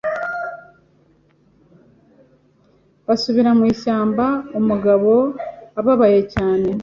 basubira mu ishyamba u mugabo ababaye cyane